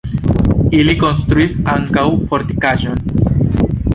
Ili konstruis ankaŭ fortikaĵon.